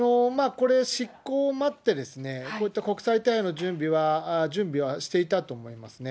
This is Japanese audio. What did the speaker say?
これ、しっこうを待って、こういった国際手配の準備はしていたと思いますね。